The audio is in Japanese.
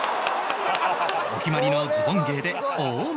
お決まりのズボン芸で大盛り上がり